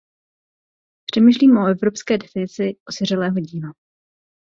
Přemýšlím o evropské definici osiřelého díla.